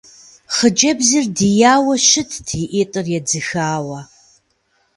Хъыджэбзыр дияуэ щытт и ӏитӏыр едзыхауэ.